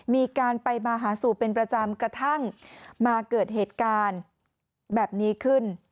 มีการไปมาหาสู่เป็นประจำกระทั่งมาเกิดเหตุการณ์แบบนี้ขึ้น